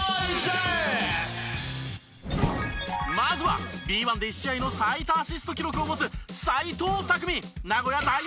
まずはＢ１で１試合の最多アシスト記録を持つ。